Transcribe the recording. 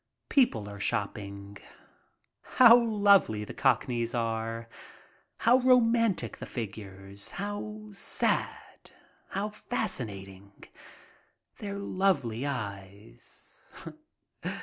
People are shopping. How lovely the cockneys are ! How romantic the figures, how sad, how fascinating! Their lovely eyes.